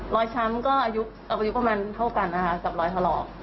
ช้ำก็อายุประมาณเท่ากันนะคะกับรอยถลอก